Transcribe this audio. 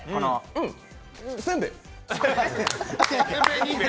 うん、せんべい。